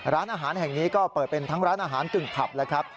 ร้านอาหารแห่งนี้ก็เปิดเป็นทั้งร้านอาหารกึ่งผับแล้วครับ